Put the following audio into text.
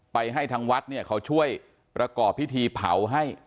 ให้ทางวัดเนี่ยเขาช่วยประกอบพิธีเผาให้